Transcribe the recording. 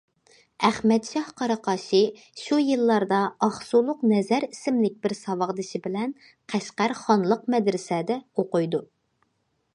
ئەخمەتشاھ قاراقاشى شۇ يىللاردا ئاقسۇلۇق نەزەر ئىسىملىك بىر ساۋاقدىشى بىلەن قەشقەر خانلىق مەدرەسەدە ئوقۇيدۇ